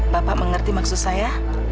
bapak mengerti maksud saya